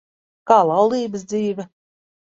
Kā laulības dzīve?